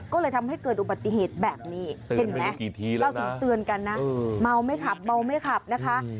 ก็เลยทำให้เกิดอุบัติเหตุแบบนี้เห็นไหมเราถึงเตือนกันนะเมาไม่ขับเมาไม่ขับนะคะ